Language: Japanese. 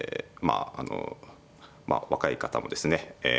あの若い方もですね